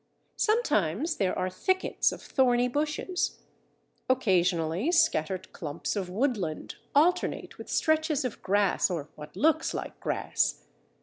Sometimes there are thickets of thorny bushes. Occasionally scattered clumps of woodland alternate with stretches of grass or what looks like grass.